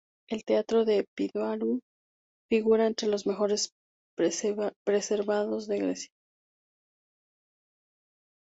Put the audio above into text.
El teatro de Epidauro figura entre los mejores preservados de Grecia.